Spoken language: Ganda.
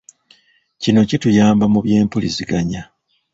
Kino kituyamba mu by'empuliziganya.